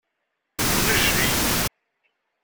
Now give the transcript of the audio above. Nnejli.